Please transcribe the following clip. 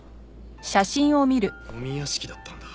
ゴミ屋敷だったんだ。